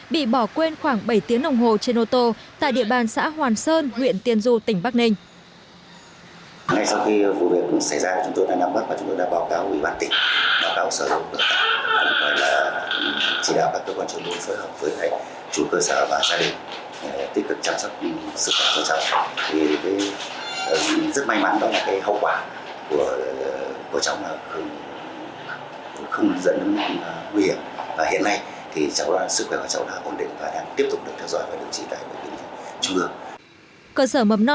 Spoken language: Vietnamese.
bị bỏ quên khoảng bảy tiếng đồng hồ trên ô tô tại địa bàn xã hoàn sơn huyện tiên du tỉnh bắc ninh